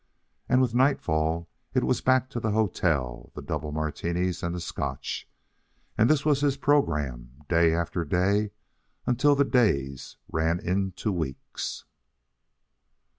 And with nightfall it was back to the hotel, the double Martinis and the Scotch; and this was his program day after day until the days ran into weeks.